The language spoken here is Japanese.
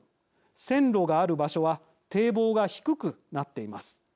線路がある場所は堤防が低くなっています。